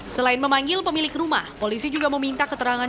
selain memanggil pemilik rumah polisi juga meminta keterangan